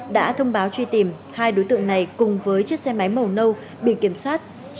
đã thông báo truy tìm hai đối tượng này cùng với chiếc xe máy màu nâu bị kiểm soát chín mươi năm h một tám trăm bốn mươi một